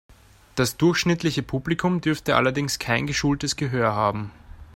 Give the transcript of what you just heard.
Das durchschnittliche Publikum dürfte allerdings kein geschultes Gehör haben.